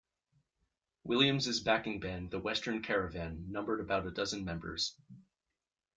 Williams' backing band The Western Caravan numbered about a dozen members.